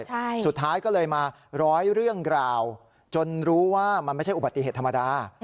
ใช่สุดท้ายก็เลยมาร้อยเรื่องกล่าวจนรู้ว่ามันไม่ใช่อุบัติเหตุธรรมดา